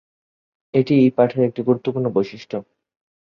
এটিই এই পাঠের একটি গুরুত্বপূর্ণ বৈশিষ্ট্য।